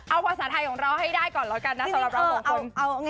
เอาภาษาไทยของเราให้ได้ก่อนแล้วกันนะสำหรับเราสองคน